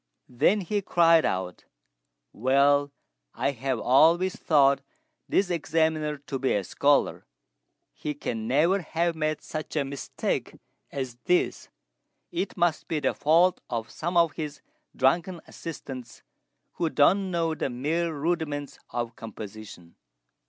Then he cried out, "Well, I have always thought this Examiner to be a scholar; he can never have made such a mistake as this; it must be the fault of some of his drunken assistants, who don't know the mere rudiments of composition."